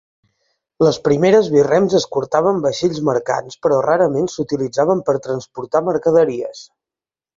Les primeres birrems escortaven vaixells mercants, però rarament s'utilitzaven per transportar mercaderies.